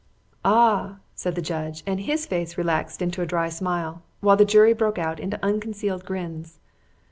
"Ah!" said the judge; and his face relaxed into a dry smile, while the jury broke out into unconcealed grins.